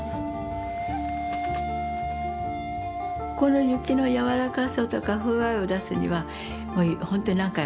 この雪の柔らかさとか風合いを出すには本当に何回も。